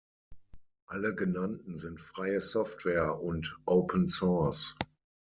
Alle genannten sind freie Software und Open Source.